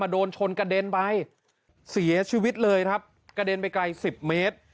โดนชนกระเด็นไปเสียชีวิตเลยครับกระเด็นไปไกลสิบเมตร